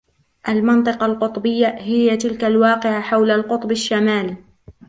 المنطقة القطبية هي تلك الواقعة حول القطب الشمالي.